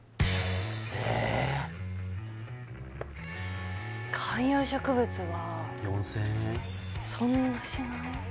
えっ観葉植物はそんなしない？